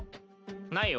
ないよ。